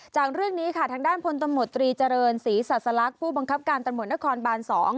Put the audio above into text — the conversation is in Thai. จากเรื่องนี้ค่ะทางด้านพลตำรวจตรีเจริญศรีศาสลักษณ์ผู้บังคับการตำรวจนครบาน๒